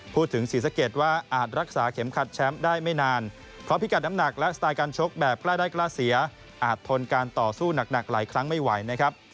ศรีสะเกดว่าอาจรักษาเข็มขัดแชมป์ได้ไม่นานเพราะพิกัดน้ำหนักและสไตล์การชกแบบกล้าได้กล้าเสียอาจทนการต่อสู้หนักหลายครั้งไม่ไหวนะครับ